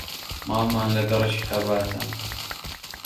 ماڵمان لە گەڕەکی خەباتە.